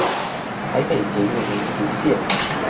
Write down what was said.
台北捷運文湖線